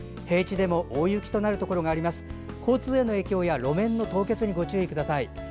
平地でも大雪となるところがありますので交通への影響や路面の凍結にご注意ください。